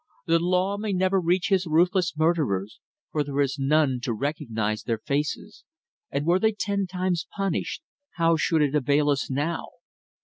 "The law may never reach his ruthless murderers, for there is none to recognise their faces; and were they ten times punished, how should it avail us now!